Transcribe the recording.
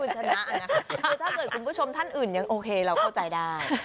คือถ้าเกิดคุณผู้ชมท่านอื่นยังโอเคเราเข้าใจได้